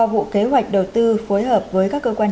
bộ kế hoạch đầu tư phối hợp với các cơ quan